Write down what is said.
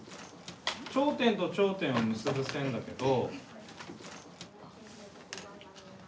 頂点と頂点を結ぶ線だけど。